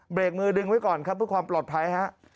เบรกมือดึงไว้ก่อนครับเพื่อความปลอดภัยฮะ